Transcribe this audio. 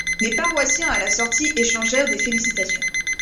Les paroissiens à la sortie, échangèrent des félicitations.